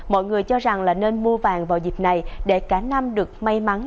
mọi người cho rằng là nên mua vàng vào dịp này để cả năm được may mắn